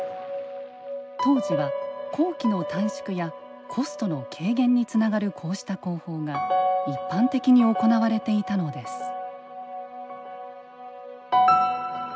当時は工期の短縮やコストの軽減につながるこうした工法が一般的に行われていたのです。